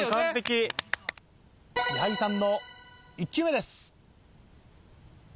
矢作さんの１球目です。